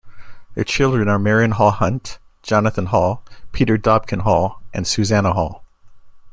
Their children are Marion Hall Hunt, Jonathan Hall, Peter Dobkin Hall, and Susannah Hall.